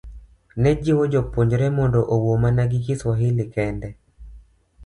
ne jiwo jopuonjre mondo owuo mana gi Kiswahili kende.